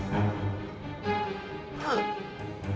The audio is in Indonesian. ya allah gimana ini